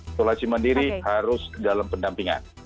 isolasi mandiri harus dalam pendampingan